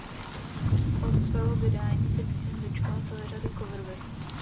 Od svého vydání se píseň dočkala celé řady coververzí.